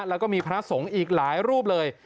แล้วก็มีพระสงฆ์อีกหลายรูปเลย